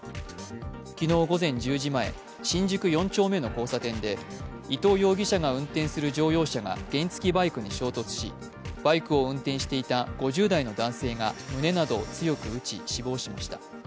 昨日午前１０時前、新宿４丁目の交差点で伊東容疑者が運転する乗用車が原付きバイクに衝突しバイクを運転していた５０代の男性が胸などを強く打ち死亡しました。